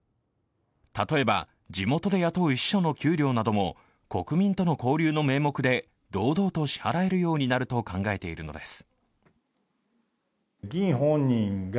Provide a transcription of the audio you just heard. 例えば、地元で雇う秘書の給料なども国民との交流の名目で堂々と支払えるようになると考えているのです。